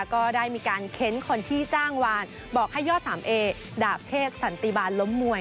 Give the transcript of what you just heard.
ก็ได้มีการเค้นคนที่จ้างวานบอกให้ยอดสามเอดาบเชษสันติบาลล้มมวย